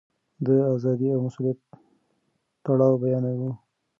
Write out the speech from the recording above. ده د ازادۍ او مسووليت تړاو بيانوه.